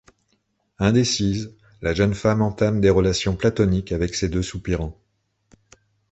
Indécise, la jeune femme entame des relations platoniques avec ses deux soupirants.